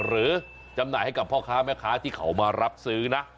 จำหน่ายให้กับพ่อค้าแม่ค้าที่เขามารับซื้อนะ